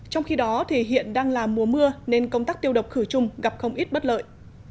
trong khi đó thì hiện đang là mùa mưa nên công tác tiêu độc khử chung gặp không ít bất lợi